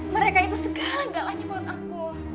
mereka itu segala galanya buat aku